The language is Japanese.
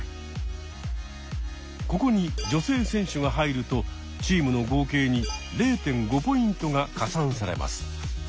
ここに女性選手が入るとチームの合計に０．５ポイントが加算されます。